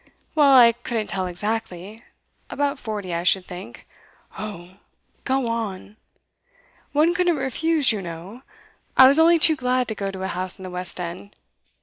'Well, I couldn't tell exactly; about forty, I should think.' 'Oh! Go on.' 'One couldn't refuse, you know; I was only too glad to go to a house in the West End.